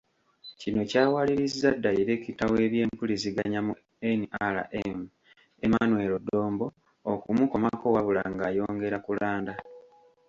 Kino kyawalirizza Dayireekita w’ebyempuliziganya mu NRM Emmanuel Dombo, okumukomako wabula ng'ayongera kulanda.